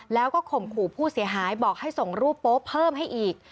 แล้วก็ข่มขู่ผู้เสียหายบอกให้ส่งรูปโป๊เพิ่มให้อีก